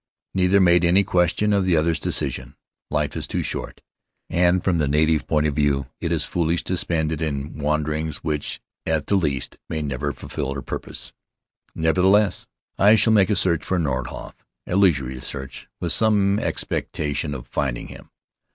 Neither made any question of the other's decision — life is too short; and from the native point of view, it is foolish to spend it in wanderings which, at the last, may never fulfill their purpose. Nevertheless, I shall make a search for Nordhoff — a leisurely search, with some expectation of finding him.